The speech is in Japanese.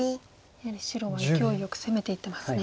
やはり白はいきおいよく攻めていってますね。